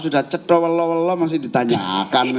sudah cedowelowelow masih ditanyakan